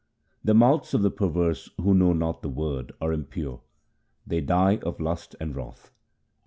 The mouths of the perverse who know not the Word are impure ; they die of lust and wrath.